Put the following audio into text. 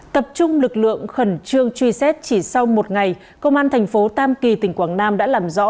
tập trung lực lượng khẩn trương truy xét chỉ sau một ngày công an thành phố tam kỳ tỉnh quảng nam đã làm rõ